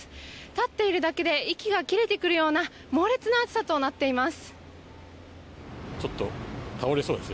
立っているだけで息が切れてくるような猛烈な暑さとなっています。